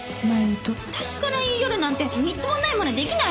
私から言い寄るなんてみっともないまねできないわよ。